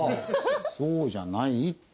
そうじゃないって。